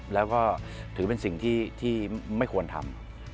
แล้วก็ถือเป็นสิ่งที่ไม่ควรทำ